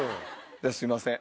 すいません